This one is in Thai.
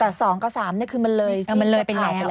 แต่๒กับ๓นี่คือมันเลยที่จะผ่านไปแล้ว